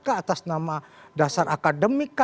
ke atas nama dasar akademik